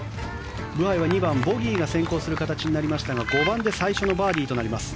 ブハイは２番、ボギーが先行する形になりましたが５番で最初のバーディーとなります。